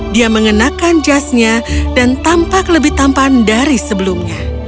dia mengenakan jasnya dan tampak lebih tampan dari sebelumnya